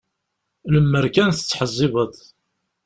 Lemmer kan tettḥezzibeḍ.